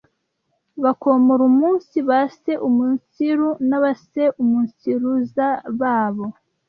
bakomora umunsi baseumunsiru n’abaseumunsiruza babo.